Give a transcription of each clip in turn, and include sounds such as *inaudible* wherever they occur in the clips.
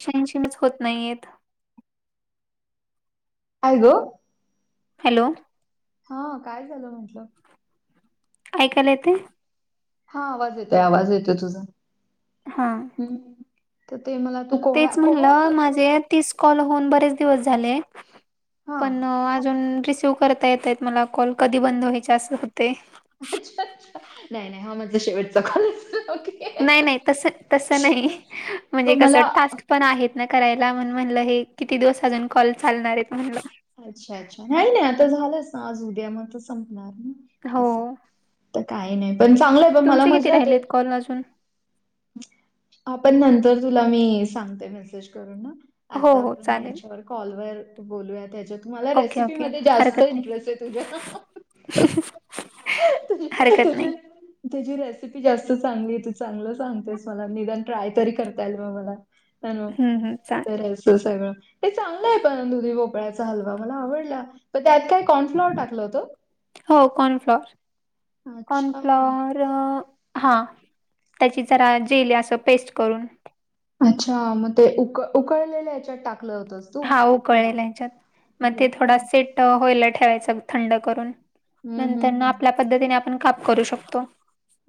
*unintelligible* होत नाहीयेत. काय ग हॅलो! हा काय झालं म्हंटलं. ऐकायला येतंय? हा आवाज येतोय, आवाज येतोय तुझा. हा हम्म तर ते मला त तेच म्हणलं माझे तीस कॉल होऊन बरेच दिवस झाले, हा पणं अजून रिसीव्ह करता येतायत मला कॉल कधी बंद व्हायचा असं होतंय. अच्छा-अच्छा, नाही-नाही हा माझा शेवटचा कॉले ओके. नाही-नाही, तसं-तसं नाही म्हणजे पण कसं मला टास्क पण आहेत ना करायला म्हणून म्हणलं हे किती दिवस अजून कॉल चालणारेत म्हणलं. अच्छा-अच्छा, नाही-नाही आता झालंच ना आज, उद्या म नंतर संपणार ना असं. हो तर काही नाही पण चांगलंय पण मला मजा येते. पण अजून आपण नंतर तुला मी सांगते मेसेज करून अ हो आता हो आपण चालेल याच्यावर कॉल वर बोलूया त्याच्यात मला ओके रेसिपी ओके मध्ये जास्त हरकत इंटरेस्ट आहे नाही तुझ्या हरकत नाही तु-तुझे तुची रेसिपी जास्त चांगलीय तु चांगलं सांगतेस मला निदान ट्राय तरी करता येईल म मला. हम्म हम्म, *unintelligible* चालेल ते चांगलं आहे पण दुदी भोपळ्याचा हलवा मला आवडला, पण त्यात काय कॉर्नफ्लॉवर टाकलं होतं? हो कॉर्नफ्लॉवर, अच्छा. कॉर्नफ्लॉवरर हा त्याची जरा जेली असं पेस्ट करून. अच्छा! मग ते, उक-उकळलेलं ह्याच्यात टाकलं होतंच. हा उकळेला हेच्यात, मग ते थोडा सेट होयला ठेवायचं थंड करून. हं, हं, नंतरन हं. आपल्या पद्धतीने काप करू शकतो.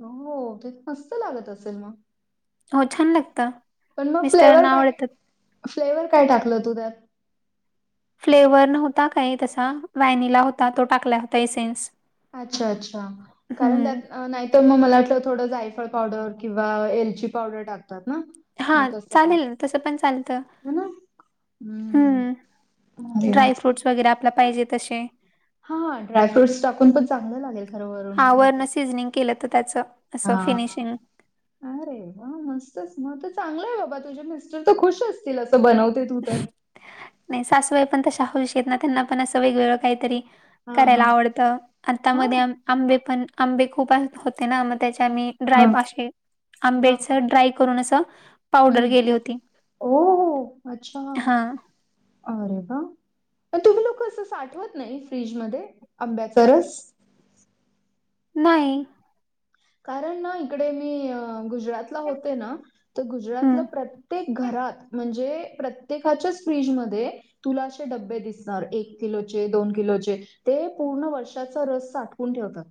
हो, ते मस्त लागत असेल मग हो छान लागतं. पण मग फ्लेवर मिस्टरांना काय, आवडतात फ्लेवर काय टाकलं तू त्यात फ्लेवर् नव्हता काही तसा व्हॅनिला होता तो टाकला होता ए सेन्स अच्छा! अच्छा कारण त्यात नाही. तर मग मला वाटलं थोडं जायफळ पावडर किंवा एलची पावडर टाकतात ना? हा मग तसं पण चालेल तसं पण चालत. है ना? हम्म भारी आहे. ड्रायफ्रूट् वगैरे आपल पाहिजे तसे हां ड्रायफूट्स टाकुन पण चांगलं लागेल? खरं वरून हा हे ते. वरण सिझनिंग केलं तर त्याच असं हां. फिनिशिंग अरे वा मस्तच मग तर चांगलं आहे बाबा तुझ्या मिस्टर तर खुश असतील असं बनवते तू तर. नाही सासूबाई पण तशा औशी आहेत ना त्यांना पण असं वेगवेगळं काहीतरी. हां, हां. करायला आवडत आता म हां, मध्येआंबे पण आंबे खूप होते ना म त्याच्या मी ड्राय हां, पाे हां, आंबेच हां. ड्राय करून अस पावडर गेली होती ओ हो अच्छा! हा अरे वा! तुम्ही लोक असं साठवत नाही फ्रीज मध्ये आंब्याचा रस नाही कारण ना इकडे मी गुजरातला होते ना तर गुजरातला हम्म प्रत्येक घरात म्हणजे, प्रत्येकाच्याच फ्रीजमध्ये तुला असे डबे दिसणार एक किलोचे, दोन किलोचे ते पूर्ण वर्षाचा रस साठवून ठेवतात.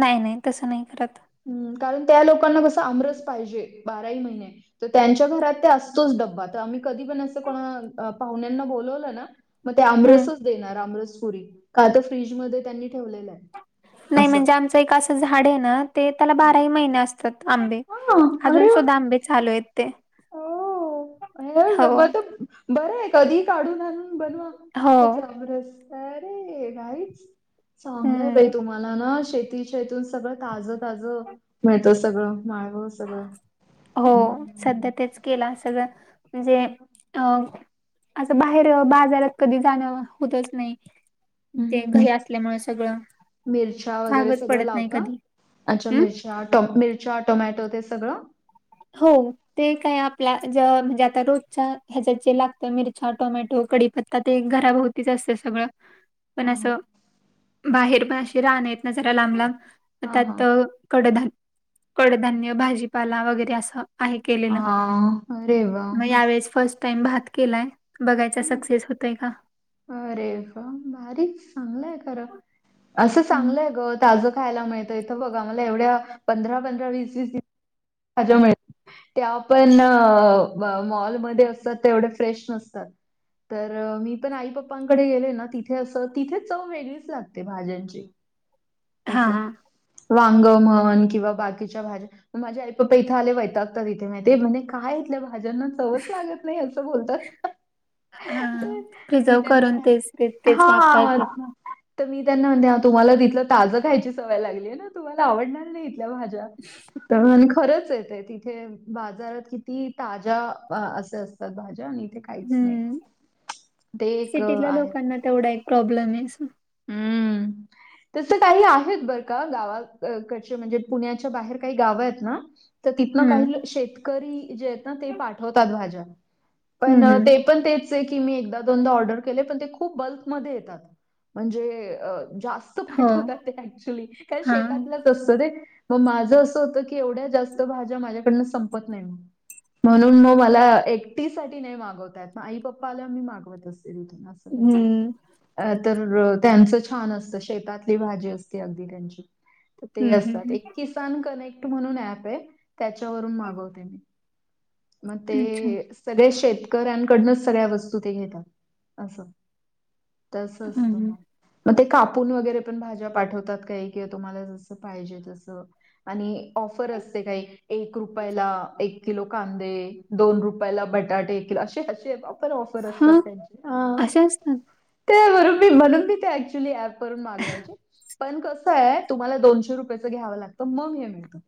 नाही नाही तसं नाही करत. हम्म, कारण त्या लोकांना कसं आमरच पाहिजे बाराही महिने तर त्यांच्या घरात ते असतोच डब्बा, तर आम्ही कधी पण असं कोणा पाहुण्यांना बोलवलं ना म ते हम्म आमरसच देणार, आमरस पुरी का तर फ्रीजमध्ये त्यांनी ठेवलेलं आहे. नाही असं. म्हणजे आमचं एक असं झाड आहे ना ते त्याला हो. बाराही महिने असत तात आंबे, हां, अजून सुद्धा आंबे चालू आहेत ते. ओ, हो म तर बरं आहे, कधी काढून आणून बनवा. हो घरचा आमरस तयार रे भारीच, चांगलय बाई हम्म. तुम्हाला ना शेत ती तुन सगळं ताज ताज मिळत, सगळ माळव हो सध्या तेच केल, सगळं म्हणजे अ असं बाहेर बाजारात कधी जाणं होतच नाही ते हम्म. घरी असल्यामुळे सगळं, मिरच्या वगैरे भागच पडत नाही कधी, हम्म ट मिरच्या, टोमॅटो ते सगळं? हो ते काय आपल्या ज म्हणजे आता रोजच्या ह्याच्या जे लागतय मिरच्या, टोमॅटो, कडीपत्ता ते घरा भोवती असतय सगळ पण हां हां. असं, बाहेर पण अशी रानं आहेत ना जरा लांब लांब हां त्यात हां. कडधान कडधान्य, भाजीपाला वगैरे असं आहे केलेलं, हां. अरे वाह! मग मस्त. यावेेळेस फर्स्ट टाईम भात केलाय, बघायचा सक्सेस होतोय का? अरे वा! भारीच, चांगलय खर. अस हम्म चांगलय ग ताज खायला मिळत, इथं बघ आम्हाला एवढ्या पंधरा-पंधरा, वीस-वीस दिवस ताज्या मिळत नाही. त्यापण अ मॉलमध्ये असतात त्या तेवढ्या फ्रेश नसतात. तर मी पण आई-पप्पांकडे गेले ना, तिथे असं, तिथे चव वेगळीच लागते भाज्यांची. हा अस हा वांग म्हन किंवा बाकीच्या भाज्या माझे आई-पप्पा इथ आले वैतागता इथे माहितेय ते म्हणे काय इथल्या भा भाज्यांना चवच लागत नाही असं बोलतात. हा, मी प्रिझर्व करून त्यांना तेच ते तेच हां. वापरतात ना. तर मी त्यांना म्हणते, आओ तुम्हाला तिथलं ताज खायची सवय लागली आहे ना, तुम्हाला आवडणार नाही इथ इथल्या भाज्या, आणि खरच ये ते तिथ थे बाजारात किती ताज्या असे असतात भाज्या आणि इथे काहीच नाही, हम्म. ते एक आहेत. त्यांना तेवढं एक प्रॉब्लेम आहे अस हम्म, तसं काही आहेत बरं का गावा कडचे म्हणजे पुण्याच्या बाहेर काही गाव आहेत ना, तर तिथन हं. काही शेतकरी जे आहेत ना ते पाठवतात भाज्या हं, पण हं. ते पण तेच आहे की मी एकदा-दोनदा ऑर्डर केले, पण ते खूप बल्कमध्ये येतात. म्हणजे अ जास्त हो. पाठवतात ते ऍक्च्युली कारण हां. शेतातलं असत ते, म माझं असं होत की एवढ्या जास्त भाज्या माझ्याकडन संप संपत नाही, म्हणून मग मला एकटी साठी नाही मागवत. त्यात म आई-पप्पा आल्या मी मागवत असते तिथून असं करता. हं. अ तर त्यांचं छान असतं शेतातली भाजी असते अगदी त्यांची. ते हं, हं, असतात हं. एक किसान कनेक्ट म्हणून ऍप आहे त्याच्यावरून मागवते मी. म अच्छा. ते सगळ्या शेतकऱ्यांकडूनच सगळ्या वस्तू घेतात अस. तस हं, हं. मग ते कापून वरे पण भाज्या पाठवतात काही किंवा तुम्हाला जसं पाहिजे तसं. आणि ऑफर असते काही एक रुपयाला एक किलो कांदे दोन रुपयाला बटाटे एक किलो असे अस आहे बा पण ऑफर असतात हां, त्यांची. हा. अशा असतात. त्या बरो मी म्हणून मी ते ऍक्च्युली ऍप वरुन मागवायचे. पण कसं आहे तुम्हाला दोनशे रुपयाेचं घ्यावं लागतं मग हे मिळतं.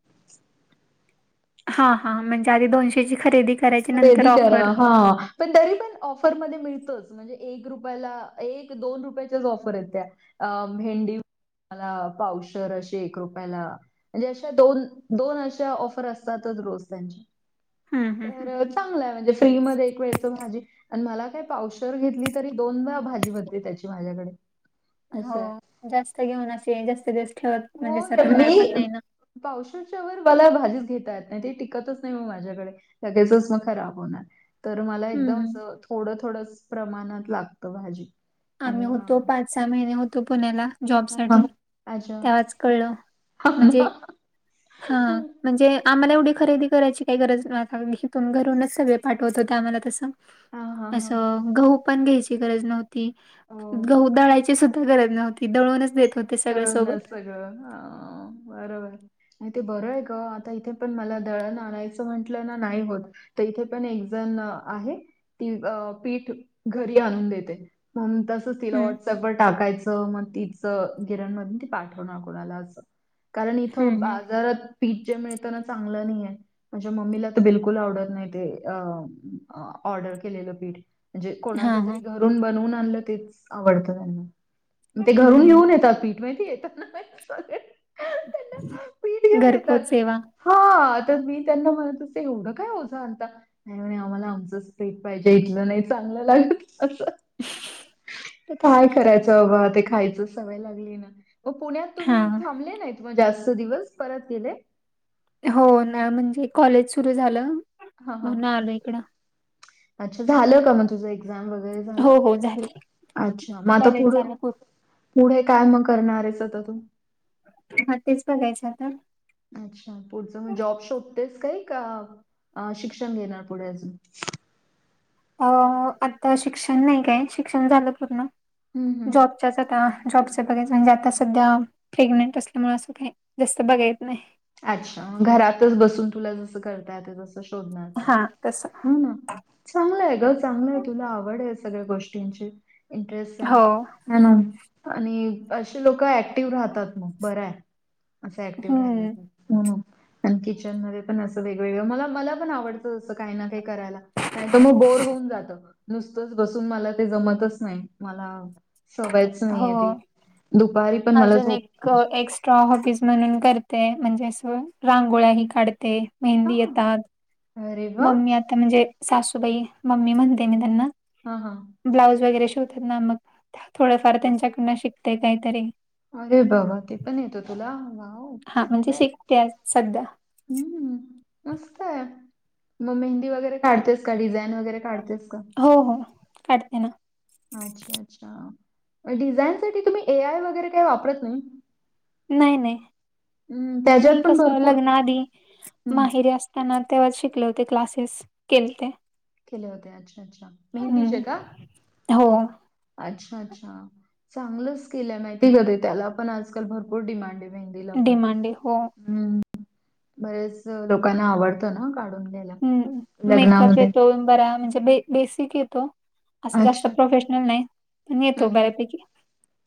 हा हां म्हणजे आधी दोनशेची खरेदी करायची नंतर खरेदी करा ऑफर. हा. पण तरी पण ऑफरमध्ये मिळतोच म्हणजे एक रुपयाला एक, दोन रुपयाच्याच ऑफर आहेत त्या. अ भेहेंडी *inaudible* ला पावसर अशी एक रुपयाला. म्हणजे अशा दोन, दोन अशा ऑफर असत्यातच रोज त्यांची‌. हं, हं, हं. तर चांगलं आहे म्हणजे फ्री मध्ये एक वेळच भाजी आणि मला काय पावशर घेतली तरी दोनदा भाजी बनली त्याची माझ्याकडे असंय. हो. जास्त घेऊन असे जास्त दिवस ठेवत म्हणजे अस राहणार पण नाही ना. पावसारच्यावर मला भाजीच घेता येत नाही ते टिकतच नाही म माझ्याकडे. लगेचच मग खराब होणार. तर मला हं, एकदम हं. असं थोडं-थोडंस प्रमाणात लागतं भाजी. आणि आम्ही होतो मग पाच-सहा महिने होतो पुण्याला जॉब हा, हा. साठी अच्छा. तेव्हाच कळलं म्हणजे हां, हा. म्हणजे आम्हाला एवढी खरेदी करायची काही गरज ना हीताून घरूनच सगळे पाठवत होते आम्हाला तसं. हां, हां. असं गहू पण घ्यायची गरज नव्ह ती, हो. गहू दळायची सुद्धा गरज नव्हती दळूनच देत होते सगळ्या सोबत दळूनच सगळं हा बरोबर. नाही ते बरं आहे ग आता इथे पण मला दळण आणायचं म्हंटलं ना नाही होत. तर इथे पण एक जण आहे. ती पीठ घरी आणून देते म्हणून तस त तिला हम्म. व्हॉट्सअपवर टाकायचं मग तिचं गिरणमधून ति पाठवणार कोणाला असं. कारण इथं हम्म हम्म बाजारात पीठ जे मिळतं ना चांगलं नाही आहे. माझे मम्मीला तर बिलकुल आवडत नाही ते अ ऑर्डर केलेलं पीठ. म्हणजे हा कोणाच्या तरी हा. घरून बनवून आणलं तेच आवडतं त्यांना. ते घरून हम्म घेऊन येत तात पीठ वय ते. *unintelligible* घर कोत सेवा. हा तर मी त्यांना म्हणत होते एवढं काय ओझं आणता. नाही म्हणे आम्हाला आमचंच पिठ पाहिजे इथलं नाही चांगलं लागत अस, तर काय करायचं बाबा ते खायचं सवय लागली ना. मग पुण्यात हा तुम्ही थांबले नाहीत म जास्त दिवस परत गेले? हो ना म्हणजे कॉलेज सुरू झालं. हा ह, म्हणून आलो इकडं. अच्छा झाल का मग तुझं एक व एक्झाम वैगेरे झालं? हो हो झाले अच्छा म आता कॉलेज पुढं? झालं पूर्ण पुढे काय मग करणार आहेस आता तू? हा तेच बघायच आहे ना अच्छा, पुढच म जॉब शोधतेस काही का? शिक्षण घेणार पुढे अजून अ आता शिक्षण नाही काय, शिक्षण झालं पूर्ण हम्म हम्म. जॉब त्यात आता जॉबच बघायचं म्हणजे आता सध्या प्रेग्नेंट असल्यामुळे असं काही जास्त बघायच नाही. अच्छा घरातच बसून तुला जसं करता येतं तसं शोधणार तू. हा तसं ह ना चांगलं आहे ग चांगल आहे तुला आवड आहे. सगळ्या गोष्टींची इंटरेस्ट आहे. हो. ह ना आणि असे लोक ऍक्टिव्ह राहतात मग बरं हाय. असं ऍक्टिव्ह हम्म. राहत्यात. हो आणि किचन मध्ये पण असं वेगवेगळं मला मला पण आवडत रोजचं काही ना काही करायला नाही तर मग बोर होऊन जातं. नुसतंच बसून मला ते जमतच नाही मला सवयच नाही हो आहे ती दुपारी पण मला झोप रॉ हॉब्बीज म्हणून करते. म्हणजे अस रांगोळ्या ही काढते, मेहंदी हां. येतात. अरे वाह! मम्मी आता म्हणजे सासूबाई मम्मी म्हणते मी त्यांना हा हां ब्लाऊज वगैरे शिवतात ना मग थोडंफार त्यांच्याकडन शिकते. काहीतरी अरे बाबा! ते पण येतो तुला वाव! हा म्हणजे चांगलं हाय. शिकते आज सध्या हम्म मस्त आहे मग मेंहंदी वगैरे काढतेस का? डीझाईन वगैरे काढतेस का? हो हो काढते ना. अच्छा, अच्छा डिझाईन साठी तुम्ही ए आय वगैरे काही वापरत नाही? नाही, नाही हं, त्याच्यात मी पण कसं भरपूर लग्नाआधी हं, माहेरी असत ताना तेव्हाच शिकले होते क्लासेस केलते. केले होते. अच्छा, अच्छा मेहंदीचे हम्म का? हो अच्छा, अच्छा चांगलच केलं माहिती का? त्याला पण आजकाल भरपूर डिमांड आहे. मेहंदीला पण डिमांडे हो हम बरेच लोकांना आवडत ना काढून घ्यायला. हम्म मेकअप लग्नामध्ये. येतो. बरा म्हणजे बे बेसिक येतो. असं जास्त अच्छा. प्रोफेशनल नाही पण येतो बऱ्यापैकी.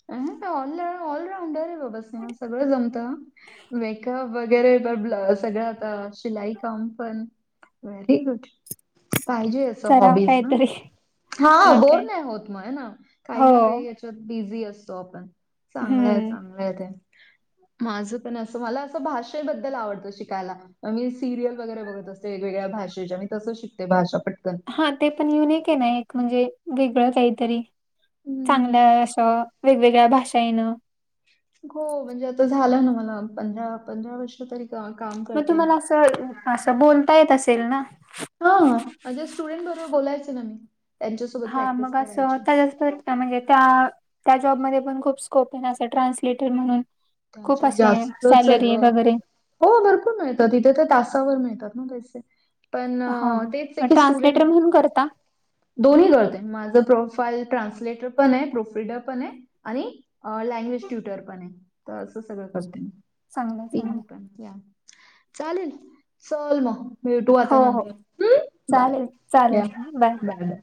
अ का ऑल ऑलराऊंडर आहे बाबा तुम्ही सगळं जमतं. मेकअप वगैरे पण ब् सगळं आता शिलाई काम पण व्हेरी गुड पाहिजेच. सम कराव हॉबीज ना? काहीतरी हा मग बोर काय नाही होत म ना आहे ना काही हो ना काही त्यात बिझी असतो आपण चांगल आहे हम्म चांगलंय ते. माझं पण असं मला असं भाषेबद्दल आवडतं शिकायला. मी सिरियल वगैरे बघत असते वेगवेगळ्या भाषेच्या मी तसं शिकते. भाषा पटकन हा ते पण युनिक आहे ना एक म्हणजे वेगळं काहीतरी हम्म. चांगलं असं वेगवेगळ्या भाषा येणं. हो म्हणजे आता झालं ना मला पंधरा, पंधरा वर्ष तरी का काम करते मी. तर असं बोलता येत असेल ना? हा माझ्या स्टुडंट बरोबर बोलायचे ना मी. त्यांच्यासोबत हा प्रॅक्टिस मग आसं करायची त्यांच्यात पण म्हणजे त्या त्या जॉबमध्ये पण खूप स्कोप आहे असं ट्रान्सलेटर म्हणून खूप त्याच्यात असे जास्तच आहे सॅलरी हाय गं वगैरे. हो भरपूर मिळतात तिथे तर तासावर मिळतात ना पैसे. पण हा ह तेच ते मग की स्टुडंट ट्रान्सलेटर म्हणून करता दोन्ही करते. माझं प्रोफाईल ट्रान्सलेटर पण आहे प्रोफिडर पण आहे‌. आणि लँग्वेज ट्युटर पण आहे. तर असं सगळं करते मी चांगलं चांगलं तीनही पण. चालेल. चल मग. भेटू हो आता हो नंतर. बाय. चालेल चालेल या. चालेल बाय बाय.